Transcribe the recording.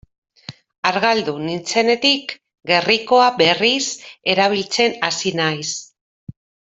Argaldu nintzenetik gerrikoa berriz erabiltzen hasi naiz.